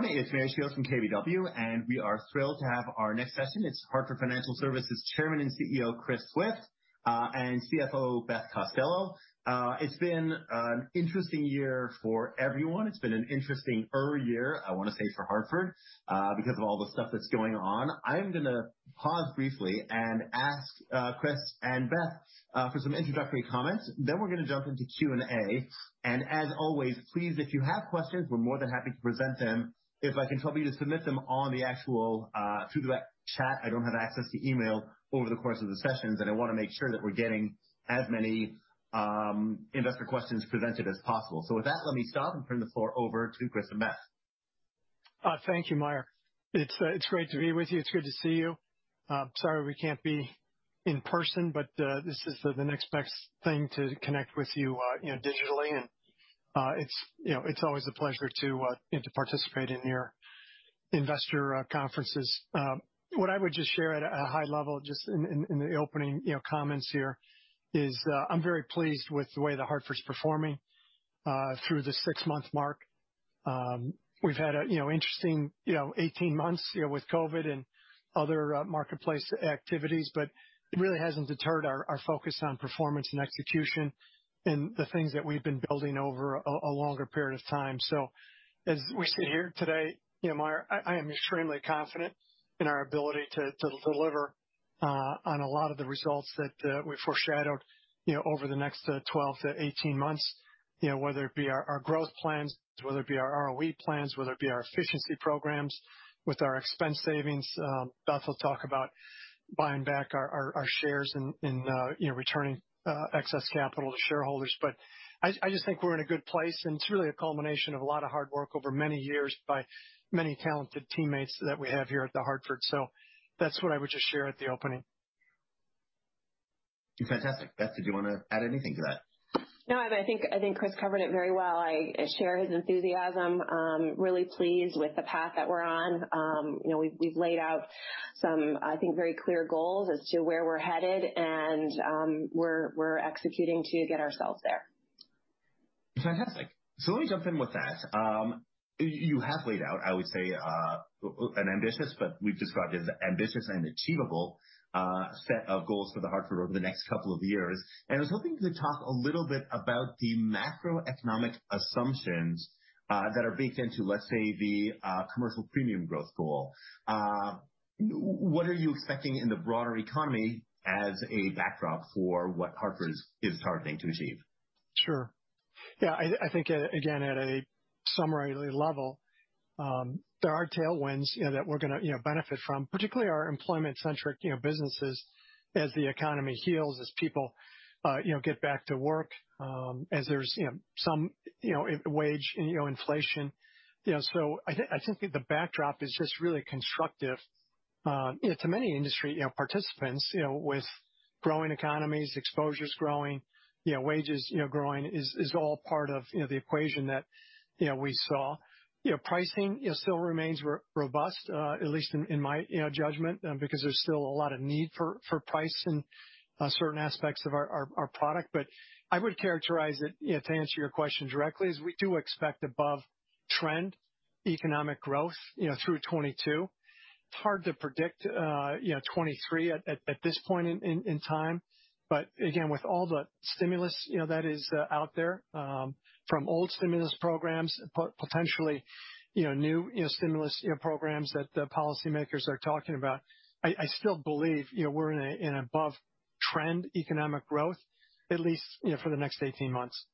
Good morning, everyone. It's Meyer Shields from KBW. We are thrilled to have our next session. It's Hartford Financial Services Chairman and CEO, Chris Swift, and CFO, Beth Costello. It's been an interesting year for everyone. It's been an interesting-er year, I want to say, for The Hartford because of all the stuff that's going on. I'm going to pause briefly and ask Chris and Beth for some introductory comments. We're going to jump into Q&A. As always, please, if you have questions, we're more than happy to present them. If I can tell you to submit them through the chat, I don't have access to email over the course of the sessions, and I want to make sure that we're getting as many investor questions presented as possible. With that, let me stop and turn the floor over to Chris and Beth. Thank you, Meyer. It's great to be with you. It's good to see you. I'm sorry we can't be in person, but this is the next best thing to connect with you digitally, and it's always a pleasure to participate in your investor conferences. What I would just share at a high level, just in the opening comments here, is I'm very pleased with the way The Hartford's performing through the 6-month mark. We've had 18 months with COVID and other marketplace activities, but it really hasn't deterred our focus on performance and execution and the things that we've been building over a longer period of time. As we sit here today, Meyer, I am extremely confident in our ability to deliver on a lot of the results that we foreshadowed over the next 12 to 18 months, whether it be our growth plans, whether it be our ROE plans, whether it be our efficiency programs with our expense savings. Beth will talk about buying back our shares and returning excess capital to shareholders. I just think we're in a good place, and it's really a culmination of a lot of hard work over many years by many talented teammates that we have here at The Hartford. That's what I would just share at the opening. Fantastic. Beth, did you want to add anything to that? I think Chris covered it very well. I share his enthusiasm. Really pleased with the path that we're on. We've laid out some, I think, very clear goals as to where we're headed, and we're executing to get ourselves there. Fantastic. Let me jump in with that. You have laid out, I would say, an ambitious, but we've described it as ambitious and achievable set of goals for The Hartford over the next couple of years, and I was hoping to talk a little bit about the macroeconomic assumptions that are baked into, let's say, the commercial premium growth goal. What are you expecting in the broader economy as a backdrop for what Hartford is targeting to achieve? Sure. I think, again, at a summarily level, there are tailwinds that we're going to benefit from, particularly our employment-centric businesses as the economy heals, as people get back to work, as there's some wage inflation. I think the backdrop is just really constructive to many industry participants with growing economies, exposures growing, wages growing, is all part of the equation that we saw. Pricing still remains robust, at least in my judgment, because there's still a lot of need for price in certain aspects of our product. I would characterize it, to answer your question directly, as we do expect above-trend economic growth through 2022. It's hard to predict 2023 at this point in time. Again, with all the stimulus that is out there, from old stimulus programs, potentially new stimulus programs that policymakers are talking about, I still believe we're in above-trend economic growth, at least for the next 18 months.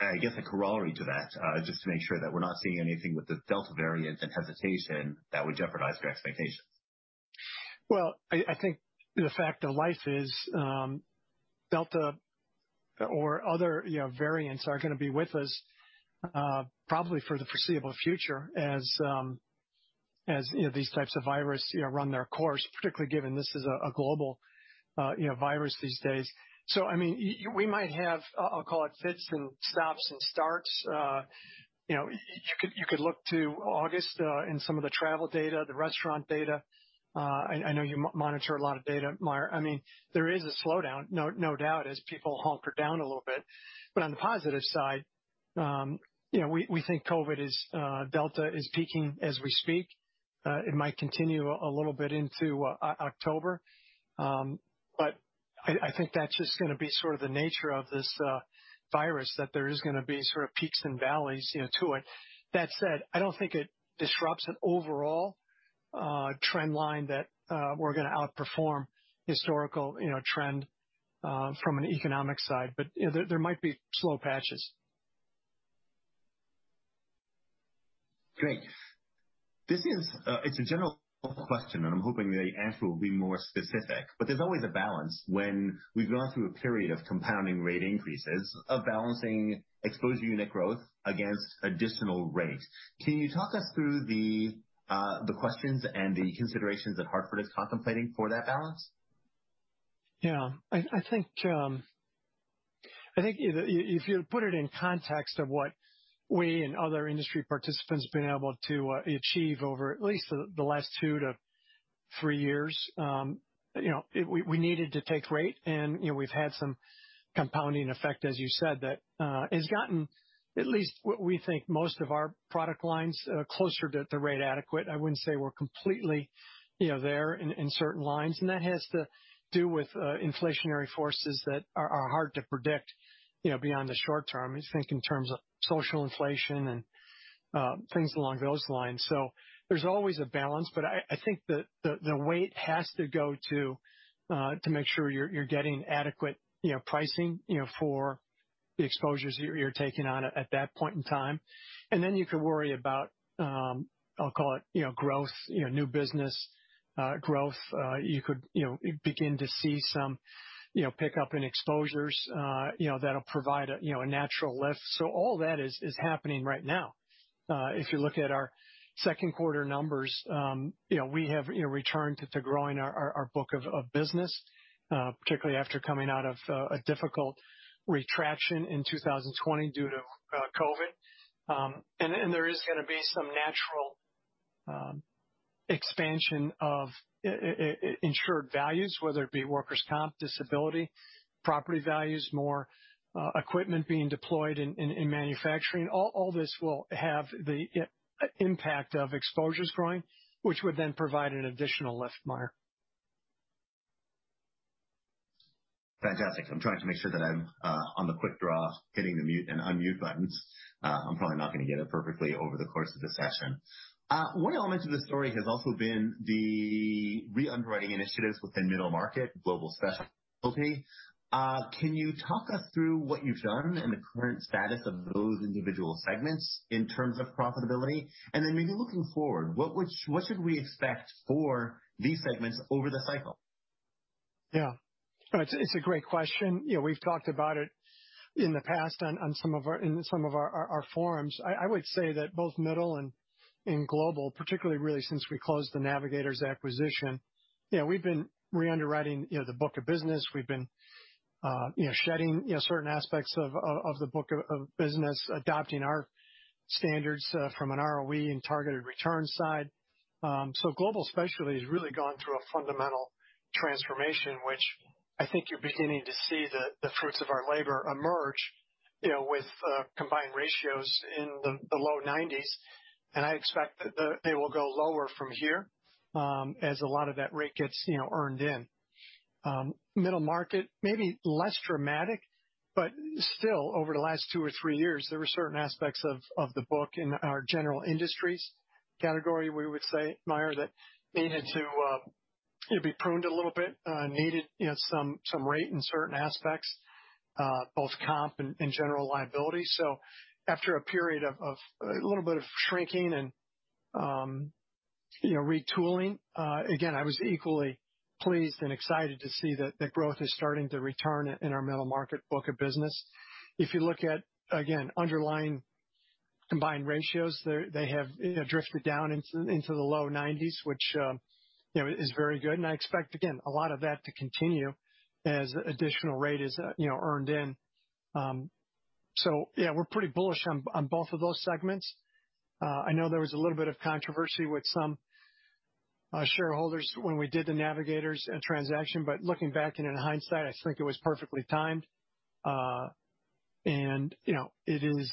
I guess a corollary to that, just to make sure that we're not seeing anything with the Delta variant and hesitation that would jeopardize your expectations. I think the fact of life is Delta or other variants are going to be with us probably for the foreseeable future as these types of virus run their course, particularly given this is a global virus these days. We might have, I'll call it, fits and stops and starts. You could look to August in some of the travel data, the restaurant data. I know you monitor a lot of data, Meyer. There is a slowdown, no doubt, as people hunker down a little bit. On the positive side, we think COVID is, Delta is peaking as we speak. It might continue a little bit into October. I think that's just going to be sort of the nature of this virus, that there is going to be sort of peaks and valleys to it. That said, I don't think it disrupts an overall trend line that we're going to outperform historical trend from an economic side. There might be slow patches. Great. It's a general question, I'm hoping the answer will be more specific, there's always a balance when we've gone through a period of compounding rate increases, of balancing exposure unit growth against additional rates. Can you talk us through the questions and the considerations that Hartford is contemplating for that balance? Yeah. I think if you put it in context of what we and other industry participants have been able to achieve over at least the last two to three years. We needed to take rate, and we've had some compounding effect, as you said, that has gotten at least what we think most of our product lines closer to rate adequate. I wouldn't say we're completely there in certain lines, and that has to do with inflationary forces that are hard to predict beyond the short term. Think in terms of social inflation and things along those lines. There's always a balance. I think that the weight has to go to make sure you're getting adequate pricing for the exposures you're taking on at that point in time. You can worry about, I'll call it growth, new business growth. You could begin to see some pickup in exposures that'll provide a natural lift. All that is happening right now. If you look at our second quarter numbers, we have returned to growing our book of business, particularly after coming out of a difficult retraction in 2020 due to COVID. There is going to be some natural expansion of insured values, whether it be workers' comp, disability, property values, more equipment being deployed in manufacturing. All this will have the impact of exposures growing, which would then provide an additional lift, Meyer. Fantastic. I'm trying to make sure that I'm on the quick draw, hitting the mute and unmute buttons. I'm probably not going to get it perfectly over the course of the session. One element of the story has also been the re-underwriting initiatives within Middle Market Global Specialty. Can you talk us through what you've done and the current status of those individual segments in terms of profitability? Maybe looking forward, what should we expect for these segments over the cycle? Yeah. It's a great question. We've talked about it in the past in some of our forums. I would say that both Middle and Global, particularly really since we closed the Navigators acquisition, we've been re-underwriting the book of business. We've been shedding certain aspects of the book of business, adopting our standards from an ROE and targeted return side. Global Specialty has really gone through a fundamental transformation, which I think you're beginning to see the fruits of our labor emerge, with combined ratio in the low 90s. I expect that they will go lower from here as a lot of that rate gets earned in. Middle Market, maybe less dramatic, but still over the last two or three years, there were certain aspects of the book in our general industries category, we would say, Meyer, that needed to be pruned a little bit, needed some rate in certain aspects, both comp and general liability. After a period of a little bit of shrinking and retooling, again, I was equally pleased and excited to see that growth is starting to return in our Middle Market book of business. If you look at, again, underlying combined ratio, they have drifted down into the low 90s, which is very good, and I expect, again, a lot of that to continue as additional rate is earned in. Yeah, we're pretty bullish on both of those segments. I know there was a little bit of controversy with some shareholders when we did the Navigators transaction, looking back and in hindsight, I think it was perfectly timed. It is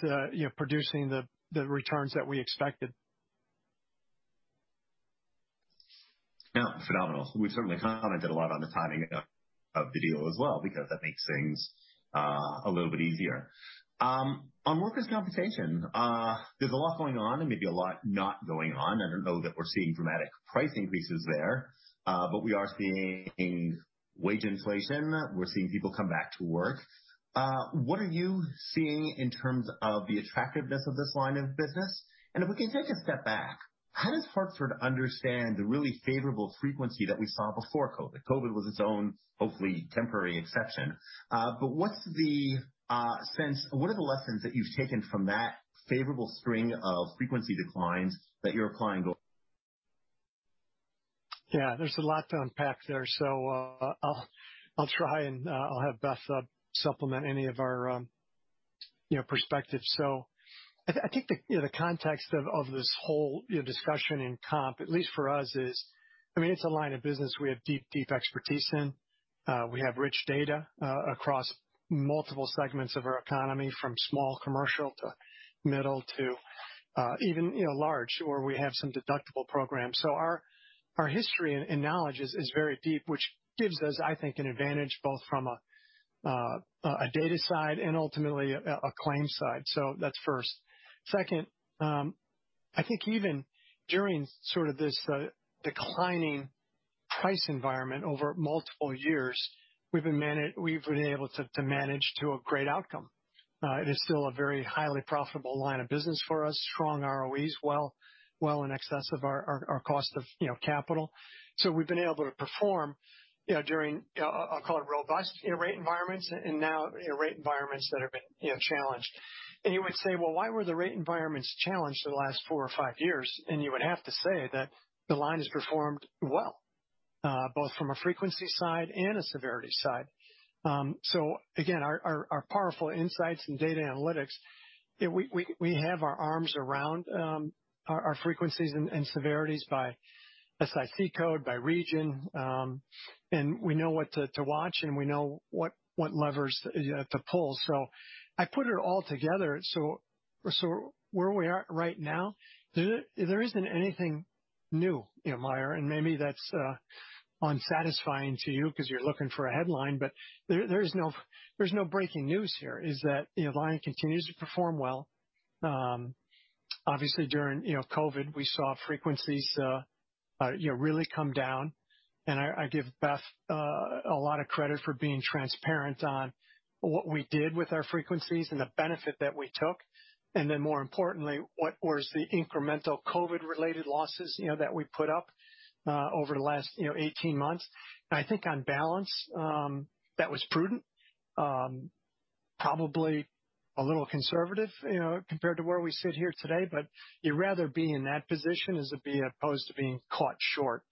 producing the returns that we expected. Yeah. Phenomenal. We've certainly commented a lot on the timing of the deal as well because that makes things a little bit easier. On workers' compensation, there's a lot going on and maybe a lot not going on. I don't know that we're seeing dramatic price increases there. We are seeing wage inflation. We're seeing people come back to work. What are you seeing in terms of the attractiveness of this line of business? And if we can take a step back, how does Hartford understand the really favorable frequency that we saw before COVID? COVID was its own, hopefully temporary, exception. What's the sense, what are the lessons that you've taken from that favorable string of frequency declines that you're applying going. Yeah, there's a lot to unpack there. I'll try and I'll have Beth supplement any of our perspectives. I think the context of this whole discussion in comp, at least for us is, it's a line of business we have deep expertise in. We have rich data across multiple segments of our economy, from small commercial to middle to even large, where we have some deductible programs. Our history and knowledge is very deep, which gives us, I think, an advantage both from a data side and ultimately a claim side. That's first. Second, I think even during sort of this declining price environment over multiple years, we've been able to manage to a great outcome. It is still a very highly profitable line of business for us. Strong ROEs, well in excess of our cost of capital. We've been able to perform during, I'll call it robust rate environments, and now rate environments that have been challenged. You would say, well, why were the rate environments challenged for the last four or five years? You would have to say that the line has performed well. Both from a frequency side and a severity side. Again, our powerful insights and data analytics, we have our arms around our frequencies and severities by SIC code, by region, and we know what to watch, and we know what levers to pull. I put it all together. Where we are right now, there isn't anything new, Meyer, and maybe that's unsatisfying to you because you're looking for a headline, but there's no breaking news here. Is that the line continues to perform well. Obviously, during COVID, we saw frequencies really come down, and I give Beth a lot of credit for being transparent on what we did with our frequencies and the benefit that we took, and then more importantly, what was the incremental COVID-related losses that we put up over the last 18 months. I think on balance, that was prudent. Probably a little conservative compared to where we sit here today, but you'd rather be in that position as opposed to being caught short.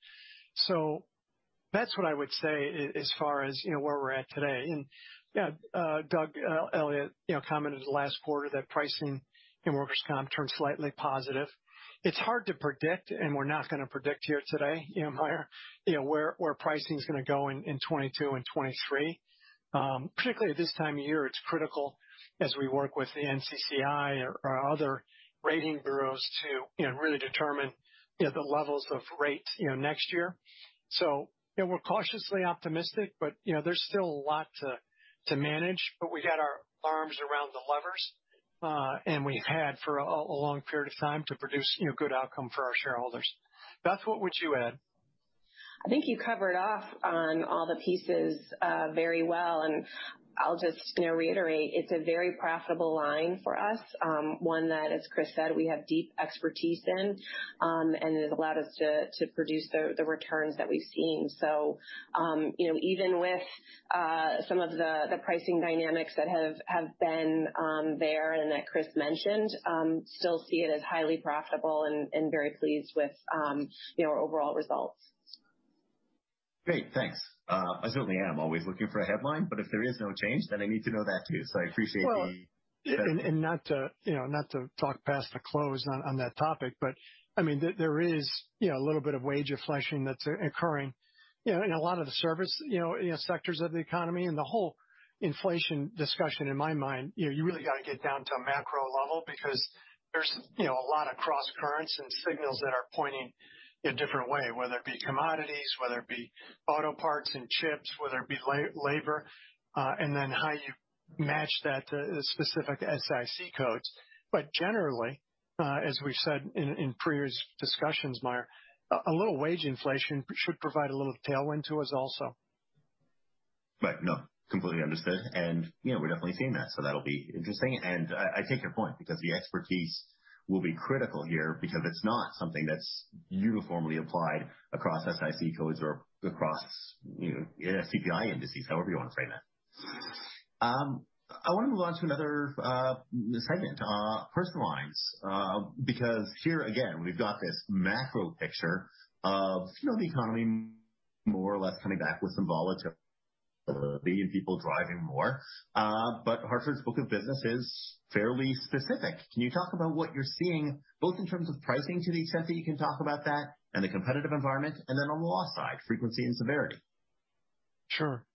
That's what I would say as far as where we're at today. Doug Elliott commented last quarter that pricing in workers' comp turned slightly positive. It's hard to predict, and we're not going to predict here today, Meyer, where pricing is going to go in 2022 and 2023. Particularly at this time of year, it's critical as we work with the NCCI or other rating bureaus to really determine the levels of rates next year. We're cautiously optimistic, but there's still a lot to manage. We've got our arms around the levers, and we've had for a long period of time to produce good outcome for our shareholders. Beth, what would you add? I think you covered off on all the pieces very well, and I'll just reiterate, it's a very profitable line for us. One that, as Chris said, we have deep expertise in, and it allowed us to produce the returns that we've seen. Even with some of the pricing dynamics that have been there and that Chris mentioned, still see it as highly profitable and very pleased with our overall results. Great. Thanks. I certainly am always looking for a headline, but if there is no change, then I need to know that, too. I appreciate the- Not to talk past the close on that topic, there is a little bit of wage inflation that's occurring in a lot of the service sectors of the economy. The whole inflation discussion in my mind, you really got to get down to a macro level because there's a lot of cross currents and signals that are pointing a different way, whether it be commodities, whether it be auto parts and chips, whether it be labor, and then how you match that to specific SIC codes. Generally, as we've said in previous discussions, Meyer, a little wage inflation should provide a little tailwind to us also. Right. No, completely understood. We're definitely seeing that'll be interesting. I take your point because the expertise will be critical here because it's not something that's uniformly applied across SIC codes or across CPI indices, however you want to frame that. I want to move on to another segment, personal lines, because here again, we've got this macro picture of the economy more or less coming back with some volatility and people driving more. Hartford's book of business is fairly specific. Can you talk about what you're seeing both in terms of pricing to the extent that you can talk about that and the competitive environment, and then on the loss side, frequency and severity? Sure.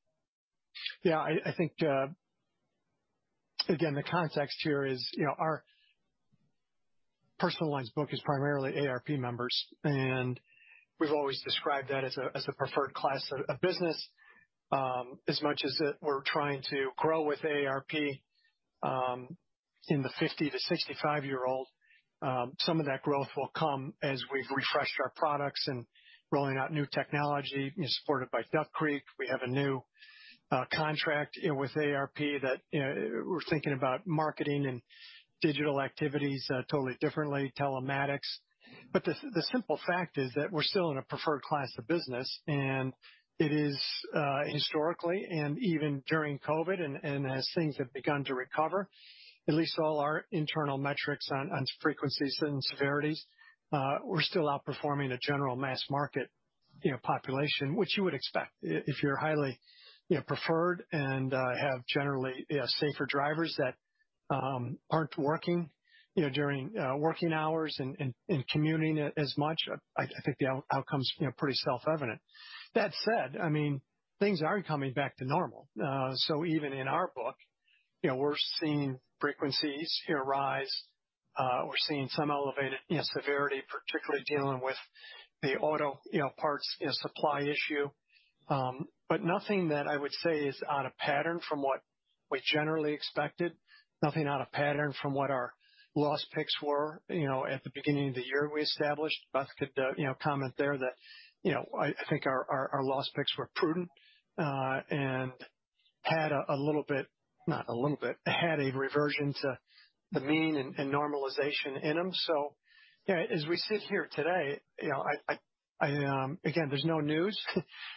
Yeah, I think, again, the context here is our personal lines book is primarily AARP members, and we've always described that as a preferred class of business. As much as we're trying to grow with AARP in the 50 to 65-year-old, some of that growth will come as we've refreshed our products and rolling out new technology supported by Duck Creek. We have a new contract with AARP that we're thinking about marketing and digital activities totally differently, telematics. The simple fact is that we're still in a preferred class of business, and it is historically and even during COVID, and as things have begun to recover, at least all our internal metrics on frequencies and severities, we're still outperforming a general mass market population, which you would expect if you're highly preferred and have generally safer drivers that aren't working during working hours and commuting as much. I think the outcome is pretty self-evident. That said, things are coming back to normal. Even in our book, we're seeing frequencies rise. We're seeing some elevated severity, particularly dealing with the auto parts supply issue. Nothing that I would say is out of pattern from what we generally expected, nothing out of pattern from what our loss picks were at the beginning of the year we established. Beth could comment there that I think our loss picks were prudent and had a little bit, not a little bit, had a reversion to the mean and normalization in them. As we sit here today, again, there's no news.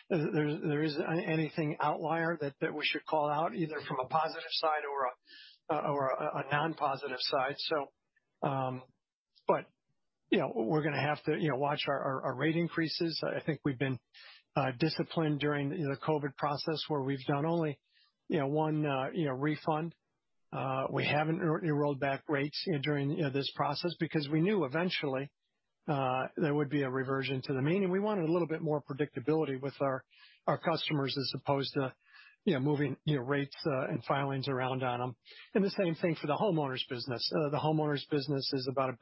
There isn't anything outlier that we should call out either from a positive side or a non-positive side. We're going to have to watch our rate increases. I think we've been disciplined during the COVID process, where we've done only one refund. We haven't rolled back rates during this process because we knew eventually there would be a reversion to the mean, and we wanted a little bit more predictability with our customers as opposed to moving rates and filings around on them. The same thing for the homeowners business. The homeowners business is about a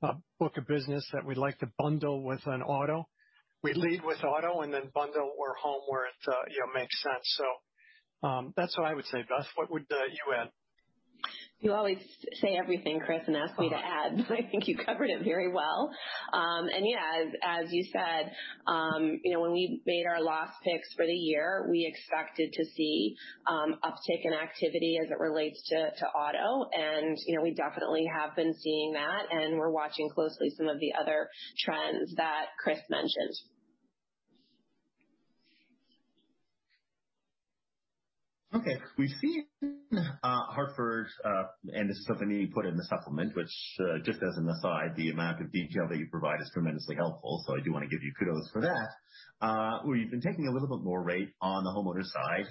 billion-dollar book of business that we'd like to bundle with an auto. We lead with auto and then bundle where home, where it makes sense. That's how I would say it. Beth, what would you add? You always say everything, Chris, and ask me to add, I think you covered it very well. Yeah, as you said, when we made our loss picks for the year, we expected to see uptick in activity as it relates to auto, and we definitely have been seeing that, and we're watching closely some of the other trends that Chris mentioned. Okay. We've seen Hartford and the company put in the supplement, which just as an aside, the amount of detail that you provide is tremendously helpful, I do want to give you kudos for that. Where you've been taking a little bit more rate on the homeowner side,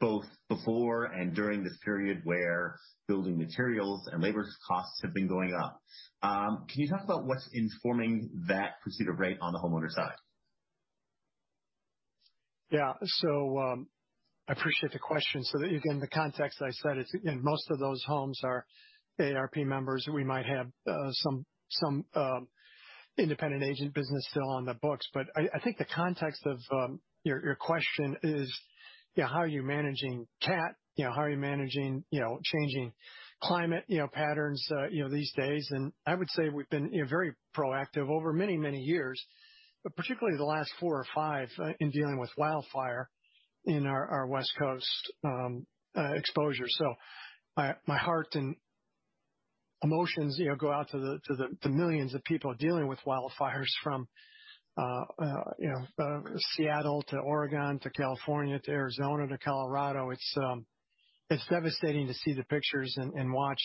both before and during this period where building materials and labor costs have been going up. Can you talk about what's informing that procedure rate on the homeowner side? Yeah. I appreciate the question. Again, the context I said is most of those homes are AARP members. We might have some independent agent business still on the books. I think the context of your question is how are you managing cat, how are you managing changing climate patterns these days? I would say we've been very proactive over many, many years, but particularly the last four or five in dealing with wildfire in our West Coast exposure. My heart and emotions go out to the millions of people dealing with wildfires from Seattle to Oregon to California to Arizona to Colorado. It's devastating to see the pictures and watch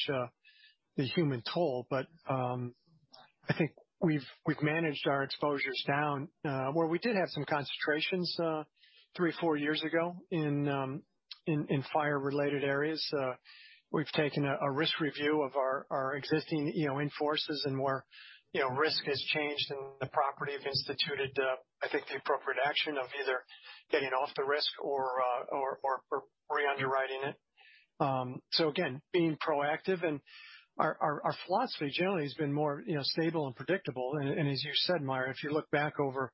the human toll. I think we've managed our exposures down, where we did have some concentrations three or four years ago in fire-related areas. We've taken a risk review of our existing in-forces and where risk has changed in the property, have instituted, I think, the appropriate action of either getting off the risk or re-underwriting it. Again, being proactive and our philosophy generally has been more stable and predictable. As you said, Meyer, if you look back over,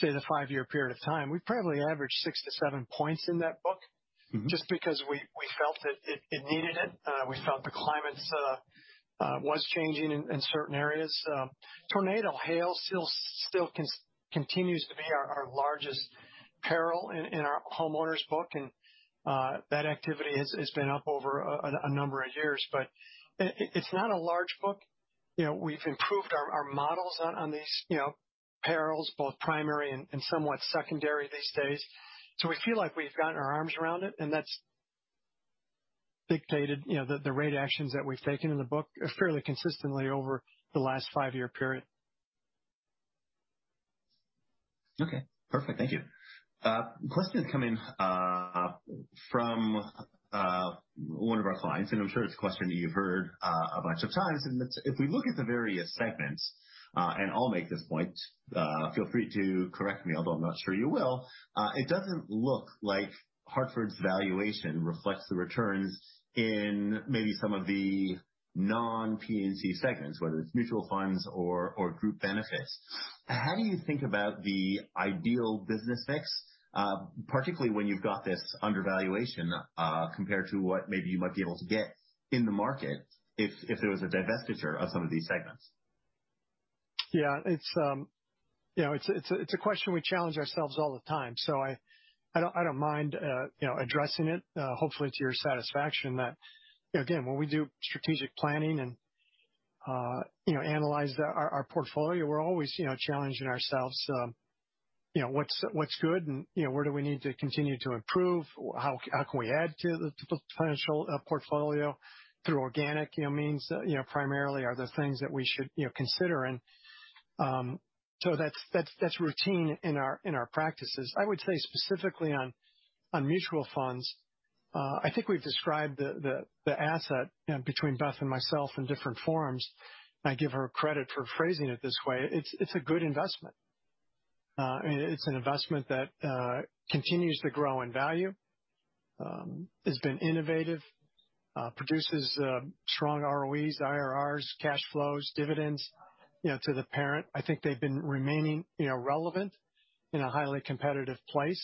say, the five-year period of time, we've probably averaged six to seven points in that book just because we felt that it needed it. We felt the climates was changing in certain areas. Tornado, hail still continues to be our largest peril in our homeowners book, and that activity has been up over a number of years. It's not a large book. We've improved our models on these perils, both primary and somewhat secondary these days. We feel like we've gotten our arms around it, and that's dictated the rate actions that we've taken in the book fairly consistently over the last five-year period. Okay, perfect. Thank you. A question coming from one of our clients, and I'm sure it's a question that you've heard a bunch of times, and that's if we look at the various segments, and I'll make this point, feel free to correct me, although I'm not sure you will. It doesn't look like The Hartford's valuation reflects the returns in maybe some of the non-P&C segments, whether it's mutual funds or group benefits. How do you think about the ideal business mix, particularly when you've got this undervaluation, compared to what maybe you might be able to get in the market if there was a divestiture of some of these segments? Yeah. It's a question we challenge ourselves all the time, so I don't mind addressing it, hopefully to your satisfaction that, again, when we do strategic planning and analyze our portfolio, we're always challenging ourselves. What's good and where do we need to continue to improve? How can we add to the potential portfolio through organic means primarily? Are there things that we should consider? That's routine in our practices. I would say specifically on mutual funds, I think we've described the asset between Beth and myself in different forms, I give her credit for phrasing it this way. It's a good investment. It's an investment that continues to grow in value, has been innovative, produces strong ROEs, IRR, cash flows, dividends to the parent. I think they've been remaining relevant in a highly competitive place.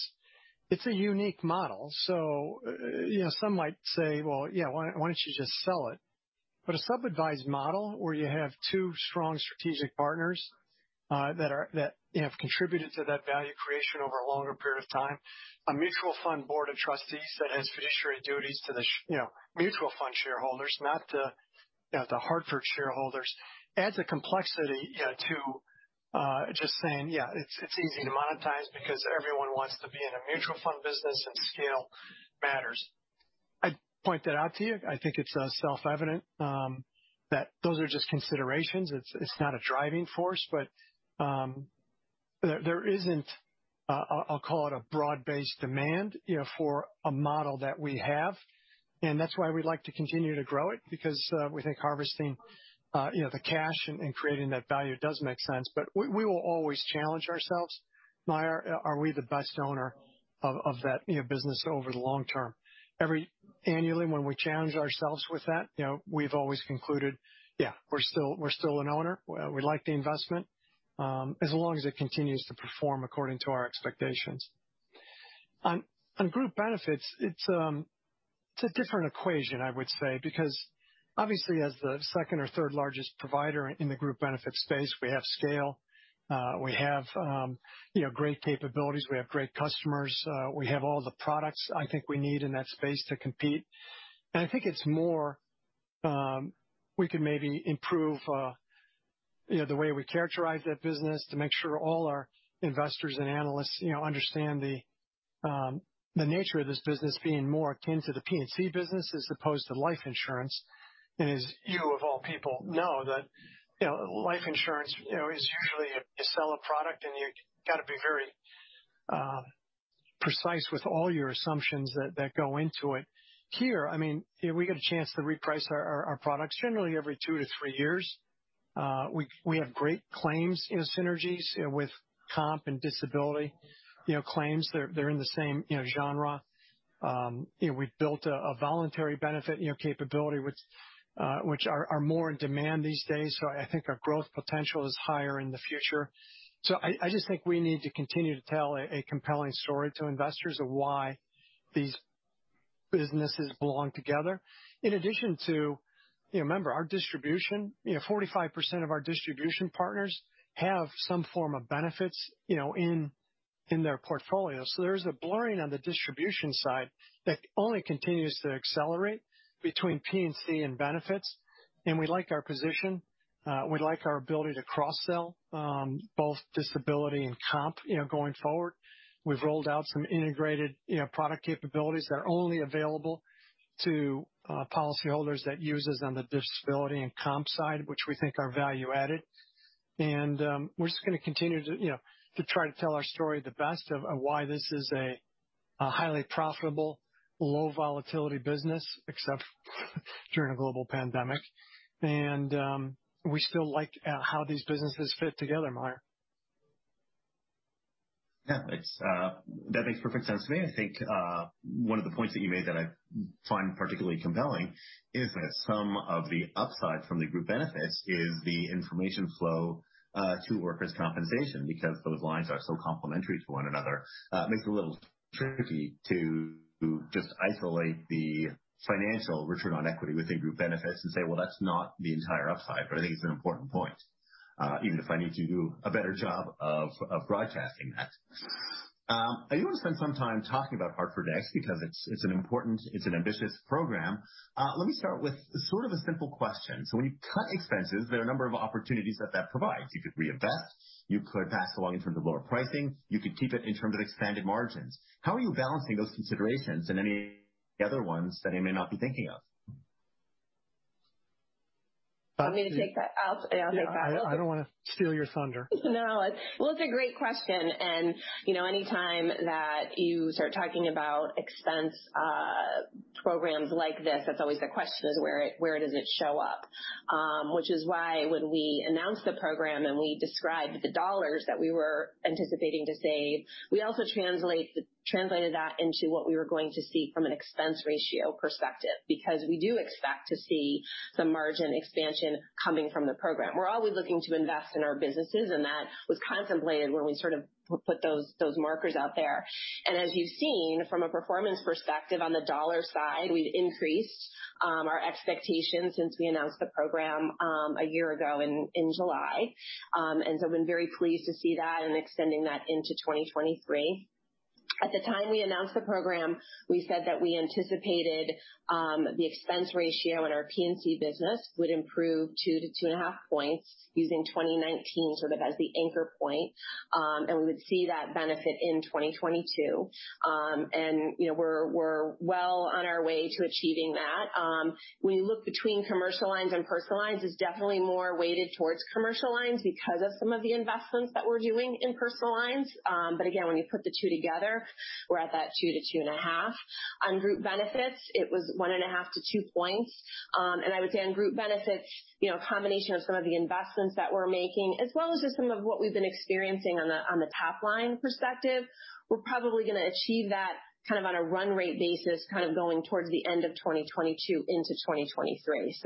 It's a unique model. Some might say, "Well, yeah, why don't you just sell it?" A sub-advised model where you have two strong strategic partners that have contributed to that value creation over a longer period of time. A mutual fund board of trustees that has fiduciary duties to the mutual fund shareholders, not The Hartford shareholders, adds a complexity to just saying, yeah, it's easy to monetize because everyone wants to be in a mutual fund business and scale matters. I point that out to you. I think it's self-evident that those are just considerations. It's not a driving force, but there isn't, I'll call it, a broad-based demand for a model that we have. That's why we'd like to continue to grow it, because we think harvesting the cash and creating that value does make sense. We will always challenge ourselves, Meyer, are we the best owner of that business over the long term? Annually, when we challenge ourselves with that, we've always concluded, yeah, we're still an owner. We like the investment, as long as it continues to perform according to our expectations. On group benefits, it's a different equation, I would say, because obviously as the second or third largest provider in the group benefits space, we have scale. We have great capabilities. We have great customers. We have all the products I think we need in that space to compete. I think it's more, we could maybe improve the way we characterize that business to make sure all our investors and analysts understand the nature of this business being more akin to the P&C business as opposed to life insurance. As you of all people know that life insurance is usually, you sell a product and you got to be very precise with all your assumptions that go into it. Here, we get a chance to reprice our products generally every two to three years. We have great claims synergies with comp and disability claims. They're in the same genre. We've built a voluntary benefit capability which are more in demand these days. I think our growth potential is higher in the future. I just think we need to continue to tell a compelling story to investors of why these businesses belong together. In addition to, remember, our distribution, 45% of our distribution partners have some form of benefits in their portfolio. There's a blurring on the distribution side that only continues to accelerate between P&C and benefits, and we like our position. We like our ability to cross-sell both disability and comp going forward. We've rolled out some integrated product capabilities that are only available to policyholders that use us on the disability and comp side, which we think are value added. We're just going to continue to try to tell our story the best of why this is a highly profitable, low volatility business, except during a global pandemic. We still like how these businesses fit together, Maya. Yeah, that makes perfect sense to me. I think one of the points that you made that I find particularly compelling is that some of the upside from the group benefits is the information flow to workers' compensation, because those lines are so complementary to one another. It makes it a little tricky to just isolate the financial return on equity within group benefits and say, "Well, that's not the entire upside." I think it's an important point, even if I need to do a better job of broadcasting that. I do want to spend some time talking about Hartford NEXT because it's an ambitious program. Let me start with sort of a simple question. When you cut expenses, there are a number of opportunities that that provides. You could reinvest, you could pass along in terms of lower pricing, you could keep it in terms of expanded margins. How are you balancing those considerations and any other ones that I may not be thinking of? I'm going to take that. I'll take that one. I don't want to steal your thunder. Well, it's a great question. Anytime that you start talking about expense programs like this, that's always the question is where does it show up? Which is why when we announced the program and we described the dollars that we were anticipating to save, we also translated that into what we were going to see from an expense ratio perspective, because we do expect to see some margin expansion coming from the program. We're always looking to invest in our businesses. That was contemplated when we sort of put those markers out there. As you've seen from a performance perspective on the dollar side, we've increased our expectations since we announced the program a year ago in July. Been very pleased to see that and extending that into 2023. At the time we announced the program, we said that we anticipated the expense ratio in our P&C business would improve 2 to 2.5 points using 2019 sort of as the anchor point. We would see that benefit in 2022. We're well on our way to achieving that. When you look between commercial lines and personal lines, it's definitely more weighted towards commercial lines because of some of the investments that we're doing in personal lines. Again, when you put the two together, we're at that 2 to 2.5. On group benefits, it was 1.5 to 2 points. I would say on group benefits, combination of some of the investments that we're making, as well as just some of what we've been experiencing on the top line perspective, we're probably going to achieve that kind of on a run rate basis, kind of going towards the end of 2022 into 2023.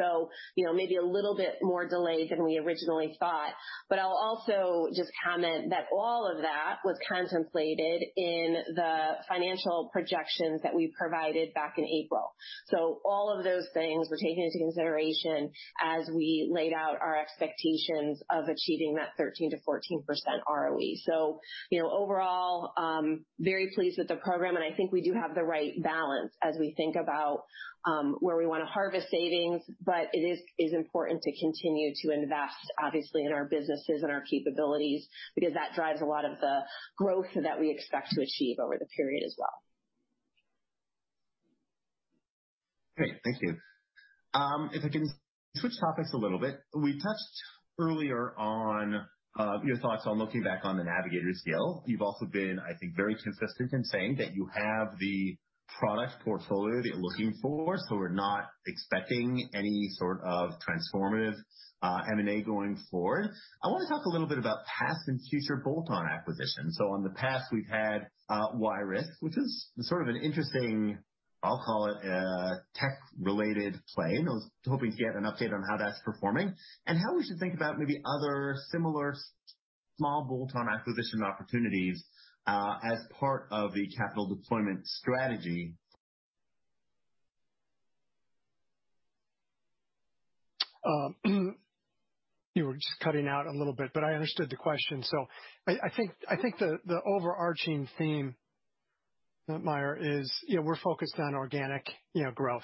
Maybe a little bit more delayed than we originally thought. I'll also just comment that all of that was contemplated in the financial projections that we provided back in April. All of those things were taken into consideration as we laid out our expectations of achieving that 13%-14% ROE. Overall, very pleased with the program, I think we do have the right balance as we think about Where we want to harvest savings, but it is important to continue to invest, obviously, in our businesses and our capabilities because that drives a lot of the growth that we expect to achieve over the period as well. Great. Thank you. If I can switch topics a little bit. We touched earlier on your thoughts on looking back on the Navigators deal. You've also been, I think, very consistent in saying that you have the product portfolio that you're looking for, so we're not expecting any sort of transformative M&A going forward. I want to talk a little bit about past and future bolt-on acquisitions. On the past, we've had Y-Risk, which is sort of an interesting, I'll call it a tech-related play, and I was hoping to get an update on how that's performing and how we should think about maybe other similar small bolt-on acquisition opportunities as part of the capital deployment strategy. You were just cutting out a little bit, I understood the question. I think the overarching theme, Meyer, is we're focused on organic growth.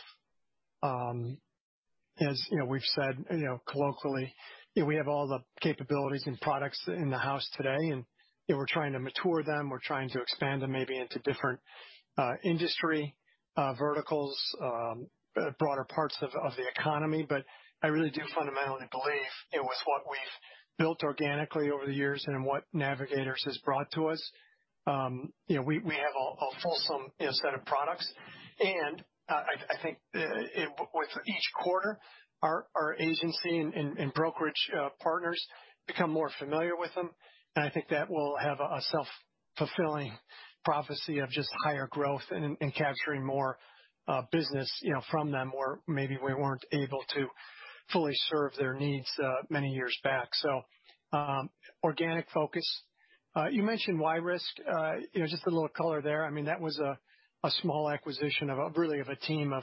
As we've said colloquially, we have all the capabilities and products in the house today, and we're trying to mature them. We're trying to expand them maybe into different industry verticals, broader parts of the economy. I really do fundamentally believe it was what we've built organically over the years and what Navigators has brought to us. We have a fulsome set of products, and I think with each quarter our agency and brokerage partners become more familiar with them, and I think that will have a self-fulfilling prophecy of just higher growth and capturing more business from them where maybe we weren't able to fully serve their needs many years back. Organic focus. You mentioned Y-Risk. Just a little color there. That was a small acquisition, really, of a team of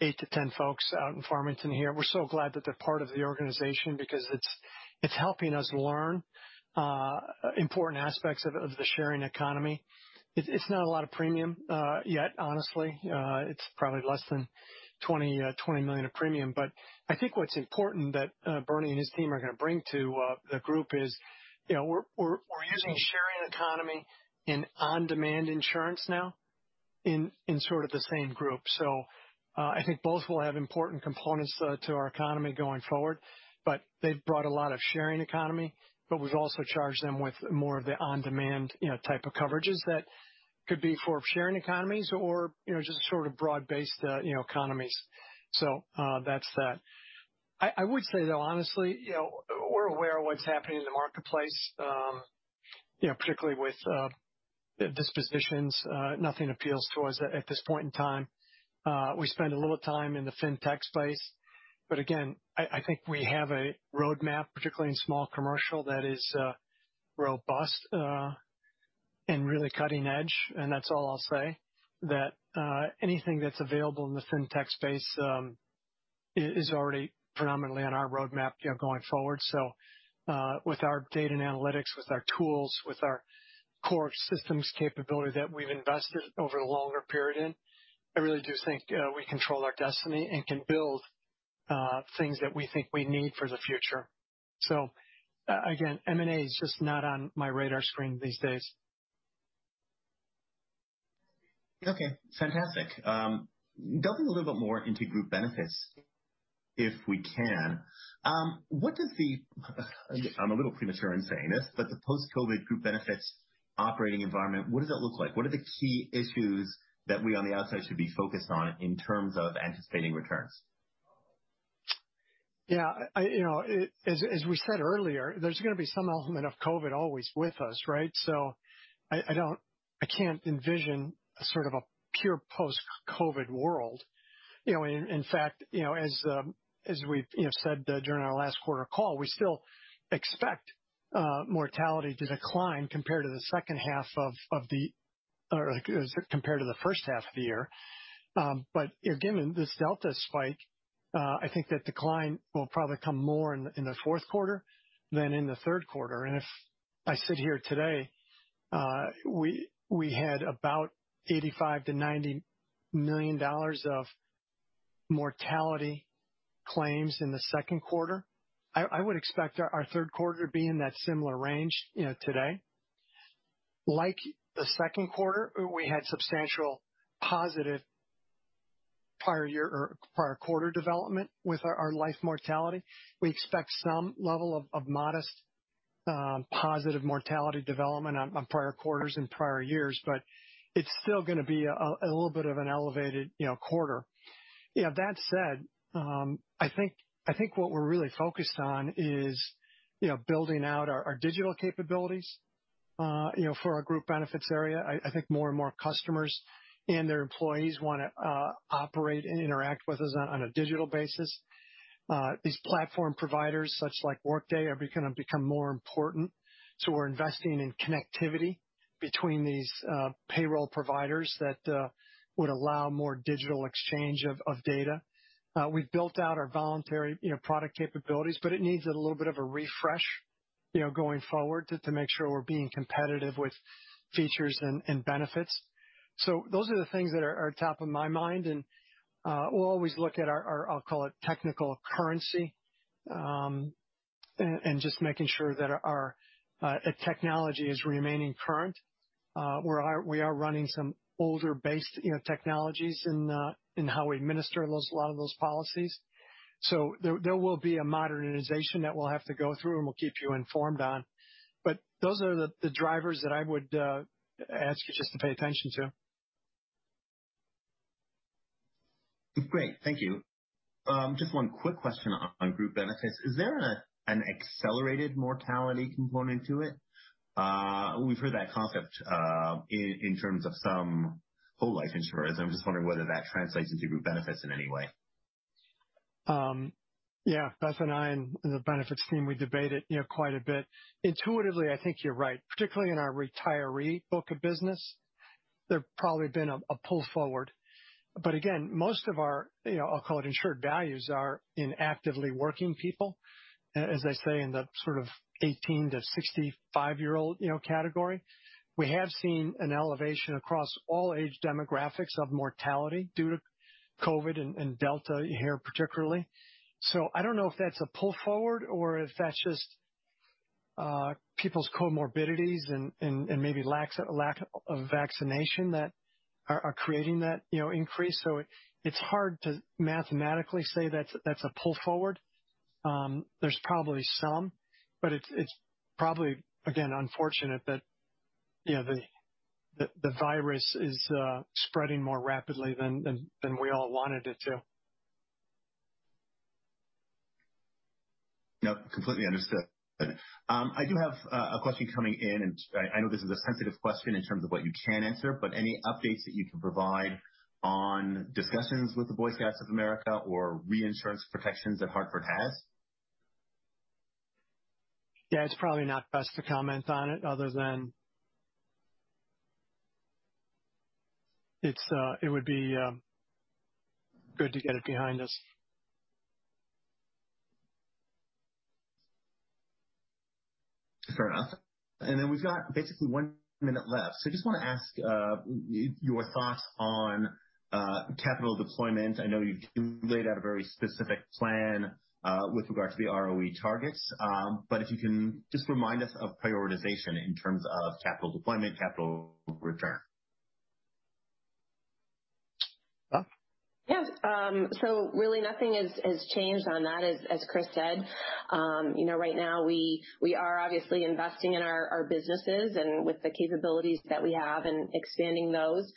eight to 10 folks out in Farmington here. We're so glad that they're part of the organization because it's helping us learn important aspects of the sharing economy. It's not a lot of premium yet, honestly. It's probably less than $20 million of premium. I think what's important that Bernie and his team are going to bring to the group is we're using sharing economy and on-demand insurance now in sort of the same group. I think both will have important components to our economy going forward, but they've brought a lot of sharing economy, but we've also charged them with more of the on-demand type of coverages that could be for sharing economies or just sort of broad-based economies. That's that. I would say, though, honestly, we're aware of what's happening in the marketplace, particularly with dispositions. Nothing appeals to us at this point in time. We spend a little time in the fintech space, but again, I think we have a roadmap, particularly in small commercial, that is robust and really cutting edge, and that's all I'll say, that anything that's available in the fintech space is already predominantly on our roadmap going forward. With our data and analytics, with our tools, with our core systems capability that we've invested over a longer period in, I really do think we control our destiny and can build things that we think we need for the future. Again, M&A is just not on my radar screen these days. Okay, fantastic. Delving a little bit more into group benefits if we can. I'm a little premature in saying this, but the post-COVID group benefits operating environment, what does that look like? What are the key issues that we on the outside should be focused on in terms of anticipating returns? Yeah. As we said earlier, there's going to be some element of COVID always with us, right? I can't envision a sort of a pure post-COVID world. In fact, as we've said during our last quarter call, we still expect mortality to decline compared to the first half of the year. Given this Delta spike, I think that decline will probably come more in the fourth quarter than in the third quarter. If I sit here today, we had about $85 million-$90 million of mortality claims in the second quarter. I would expect our third quarter to be in that similar range today. Like the second quarter, we had substantial positive prior quarter development with our life mortality. We expect some level of modest positive mortality development on prior quarters and prior years, but it's still going to be a little bit of an elevated quarter. That said, I think what we're really focused on is building out our digital capabilities for our group benefits area. I think more and more customers and their employees want to operate and interact with us on a digital basis. These platform providers, such like Workday, are going to become more important. We're investing in connectivity between these payroll providers that would allow more digital exchange of data. We've built out our voluntary product capabilities, but it needs a little bit of a refresh going forward to make sure we're being competitive with features and benefits. Those are the things that are top of my mind, and we'll always look at our, I'll call it technical currency, and just making sure that our technology is remaining current. We are running some older based technologies in how we administer a lot of those policies. there will be a modernization that we'll have to go through, and we'll keep you informed on. those are the drivers that I would ask you just to pay attention to. Great. Thank you. Just one quick question on group benefits. Is there an accelerated mortality component to it? We've heard that concept in terms of some whole life insurance. I'm just wondering whether that translates into group benefits in any way. Yeah. Beth and I and the benefits team, we debate it quite a bit. Intuitively, I think you're right. Particularly in our retiree book of business, there probably been a pull forward. again, most of our, I'll call it insured values are in actively working people, as I say, in the sort of 18 to 65-year-old category. We have seen an elevation across all age demographics of mortality due to COVID and Delta here particularly. I don't know if that's a pull forward or if that's just people's comorbidities and maybe lack of vaccination that are creating that increase. it's hard to mathematically say that's a pull forward. There's probably some, but it's probably, again, unfortunate that the virus is spreading more rapidly than we all wanted it to. No, completely understood. I do have a question coming in, and I know this is a sensitive question in terms of what you can answer, any updates that you can provide on discussions with the Boy Scouts of America or reinsurance protections that Hartford has? Yeah, it's probably not best to comment on it other than it would be good to get it behind us. Fair enough. We've got basically one minute left. I just want to ask your thoughts on capital deployment. I know you laid out a very specific plan with regards to the ROE targets. If you can just remind us of prioritization in terms of capital deployment, capital return. Beth? Yeah. Really nothing has changed on that, as Chris said. Right now we are obviously investing in our businesses and with the capabilities that we have and expanding those.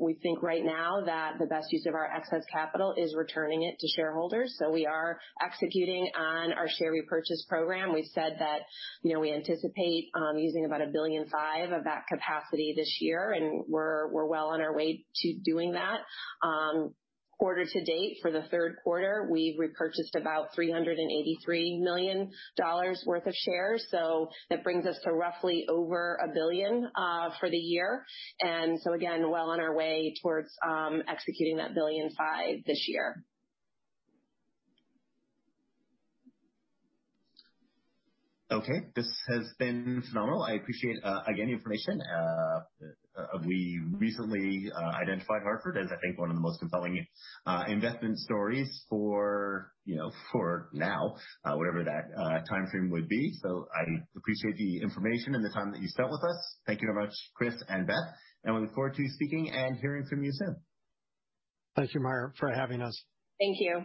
We think right now that the best use of our excess capital is returning it to shareholders. We are executing on our share repurchase program. We've said that we anticipate using about $1.5 billion of that capacity this year, and we're well on our way to doing that. Quarter to date for the third quarter, we've repurchased about $383 million worth of shares. That brings us to roughly over $1 billion for the year. Again, well on our way towards executing that $1.5 billion this year. Okay. This has been phenomenal. I appreciate, again, the information. We recently identified The Hartford as I think one of the most compelling investment stories for now, whatever that timeframe would be. I appreciate the information and the time that you spent with us. Thank you very much, Chris and Beth, and we look forward to speaking and hearing from you soon. Thank you, Meyer, for having us. Thank you.